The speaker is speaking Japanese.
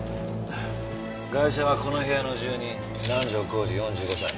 ガイシャはこの部屋の住人南条晃司４５歳。